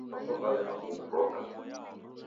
Vala vapo valegha kughproka